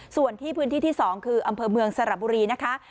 ส่วนที่พื้นที่ที่๒คืออำเภอเมืองสระบุรีนะคะ